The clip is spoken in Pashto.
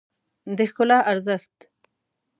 د ښکلا ارزښت